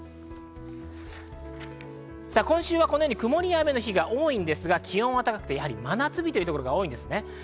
今週は曇りや雨の日が多いんですが、気温は高くて、真夏日というところが多いです。